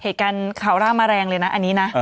เหตุการณ์ข่าวร่างมาแรงเลยนะอันนี้นะ